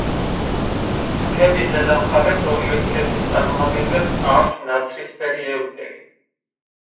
ფრთების ზედა მხარეს ორივე სქესის წარმომადგენლებს აქვთ ნაცრისფერი ელფერი.